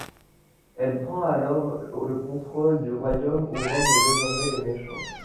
Elle prend alors le contrôle du Royaume où règnent désormais les méchants.